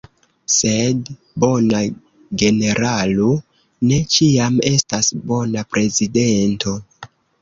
Sed bona generalo ne ĉiam estas bona prezidento.